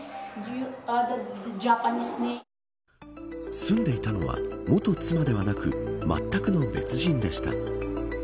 住んでいたのは、元妻ではなくまったくの別人でした。